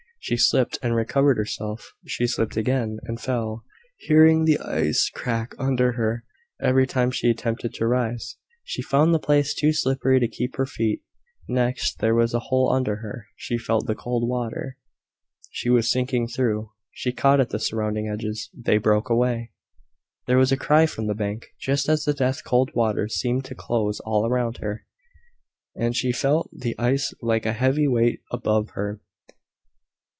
She slipped, and recovered herself: she slipped again, and fell, hearing the ice crack under her. Every time she attempted to rise, she found the place too slippery to keep her feet; next, there was a hole under her; she felt the cold water she was sinking through; she caught at the surrounding edges they broke away. There was a cry from the bank, just as the death cold waters seemed to close all round her, and she felt the ice like a heavy weight above her.